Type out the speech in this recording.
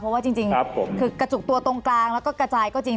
เพราะว่าจริงคือกระจุกตัวตรงกลางแล้วก็กระจายก็จริง